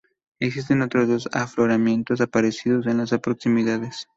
Existen otros dos afloramientos parecidos en las proximidades.